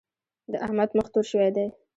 د احمد مخ تور شوی دی.